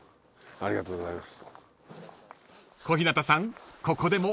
ありがとうございます。